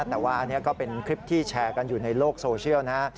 แต่ว่าอันนี้ก็เป็นคลิปที่แชร์กันอยู่ในโลกโซเชียลนะฮะ